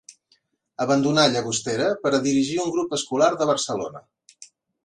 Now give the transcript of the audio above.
Abandonà Llagostera per a dirigir un grup escolar de Barcelona.